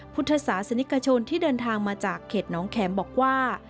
พุทธศาสนิกชนที่เดินทางมาจากเขตน้องแข็มบอกว่า